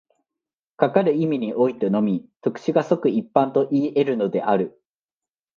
かかる意味においてのみ、特殊が即一般といい得るのである。